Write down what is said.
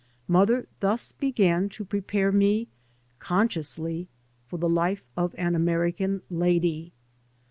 Mother thus began to prepare me — consciously — for the life of an Ameri can lady.